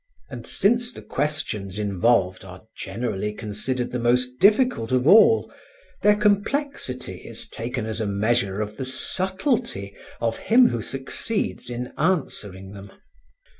And since the questions involved are generally considered the most difficult of all, their complexity is taken as the measure of the subtlety of him who succeeds in answering them.